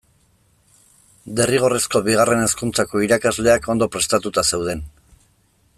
Derrigorrezko Bigarren Hezkuntzako irakasleak ondo prestatuta zeuden.